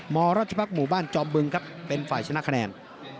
มรบหมู่บ้านจอบบึงครับเป็นฝ่ายชนะคะแนน